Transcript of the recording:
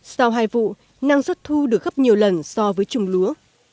sau hai vụ năng suất thu được gấp nhiều lần so với trồng lúa